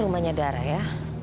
rumahnya darah ya